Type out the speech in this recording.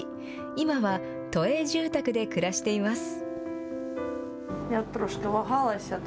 今は都営住宅で暮らしています。